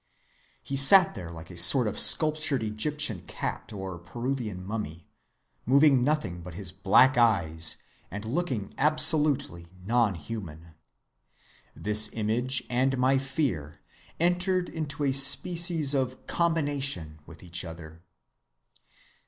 He sat there like a sort of sculptured Egyptian cat or Peruvian mummy, moving nothing but his black eyes and looking absolutely non‐human. This image and my fear entered into a species of combination with each other.